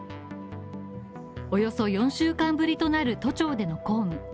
およそ４週間ぶりとなる都庁での公務